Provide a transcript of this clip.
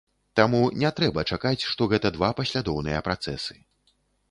Таму не трэба чакаць, што гэта два паслядоўныя працэсы.